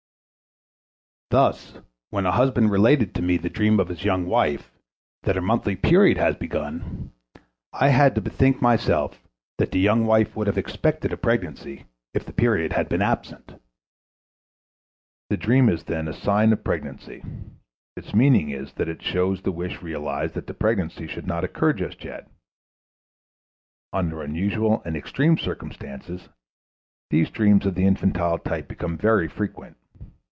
Thus, when a husband related to me the dream of his young wife, that her monthly period had begun, I had to bethink myself that the young wife would have expected a pregnancy if the period had been absent. The dream is then a sign of pregnancy. Its meaning is that it shows the wish realized that pregnancy should not occur just yet. Under unusual and extreme circumstances, these dreams of the infantile type become very frequent.